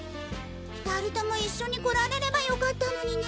２人とも一緒に来られればよかったのにね。